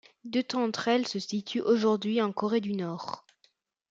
Deux d'entre elles se situent aujourd'hui en Corée du Nord.